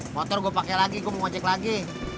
motor gue pakai lagi gue mau ngecek lagi